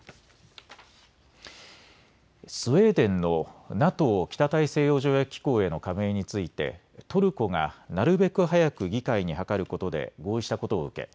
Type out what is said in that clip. スウェーデンのＮＡＴＯ・北大西洋条約機構への加盟についてトルコがなるべく早く議会に諮ることで合意したことを受け